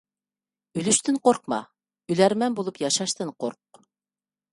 ئۆلۈشتىن قورقما، ئۆلەرمەن بولۇپ ياشاشتىن قورق.